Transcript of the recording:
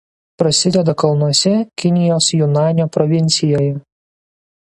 Prasideda kalnuose Kinijos Junanio provincijoje.